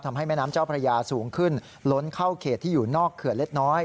แม่น้ำเจ้าพระยาสูงขึ้นล้นเข้าเขตที่อยู่นอกเขื่อนเล็กน้อย